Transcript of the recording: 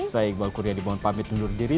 saya iqbal kuryadi mohon pamit undur diri